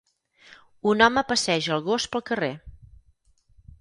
un home passeja el gos pel carrer.